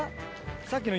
さっきの。